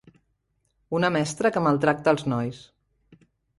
Una mestra que maltracta els nois.